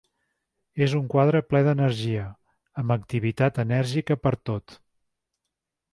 És un quadre ple d'energia, amb activitat enèrgica pertot.